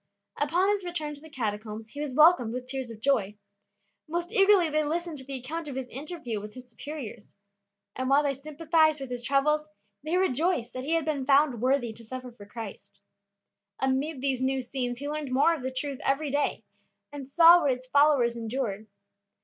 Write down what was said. Upon his return to the Catacombs he was welcomed with tears of joy. Most eagerly they listened to the account of his interview with his superiors; and while they sympathized with his troubles, they rejoiced that he had been found worthy to suffer for Christ. Amid these new scenes he learned more of the truth every day, and saw what its followers endured.